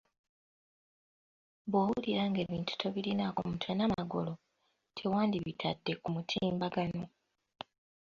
Bwowulira ng'ebintu tobirinako mutwe na magulu, tewandibitadde ku mutimbagano.